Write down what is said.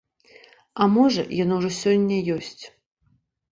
А можа яно ўжо сёння ёсць.